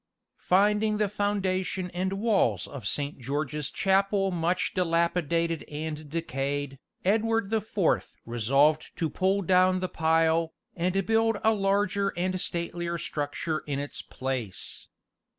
Finding the foundation and walls of Saint George's Chapel much dilapidated and decayed, Edward the Fourth resolved to pull down the pile, and build a larger and statelier structure in its place.